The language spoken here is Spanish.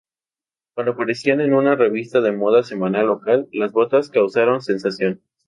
Cuando aparecieron en una revista de moda semanal local, las botas causaron sensación.